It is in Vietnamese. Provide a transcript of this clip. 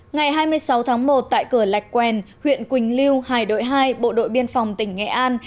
ngày hai mươi sáu tháng một tại cửa lạch quen huyện quỳnh lưu hải đội hai bộ đội biên phòng tỉnh nghệ an